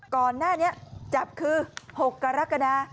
ก่อนหน้านี้จับคือ๖กรกฎา